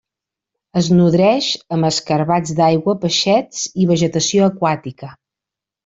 Es nodreix amb escarabats d'aigua, peixets i vegetació aquàtica.